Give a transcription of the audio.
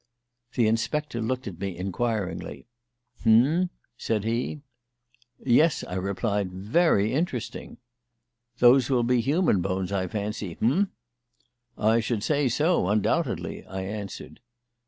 The inspector looked at me inquiringly. "H'm?" said he. "Yes," I replied. "Very interesting." "Those will be human bones, I fancy; h'm?" "I should say so, undoubtedly," I answered.